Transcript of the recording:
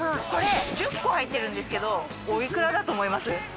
これ１０個入ってるんですけどおいくらだと思います？